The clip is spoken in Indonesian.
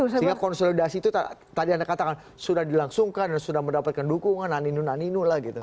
sehingga konsolidasi itu tadi anda katakan sudah dilangsungkan dan sudah mendapatkan dukungan aninun aninu lah gitu